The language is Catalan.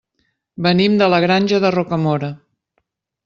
Venim de la Granja de Rocamora.